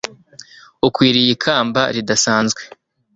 ukwiriye ikamba ridasanzwe